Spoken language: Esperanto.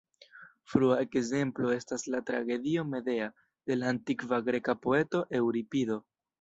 Frua ekzemplo estas la tragedio "Medea" de la antikva greka poeto Eŭripido.